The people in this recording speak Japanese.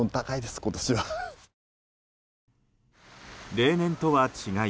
例年とは違い